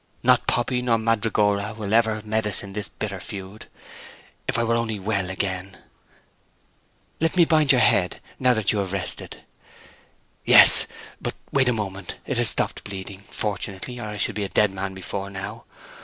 Not poppy nor mandragora will ever medicine this bitter feud!...If I were only well again—" "Let me bind your head, now that you have rested." "Yes—but wait a moment—it has stopped bleeding, fortunately, or I should be a dead man before now.